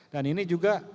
dan ini juga